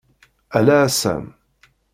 Ala a Sam!